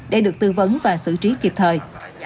để được tư vấn và xử trí kịp thời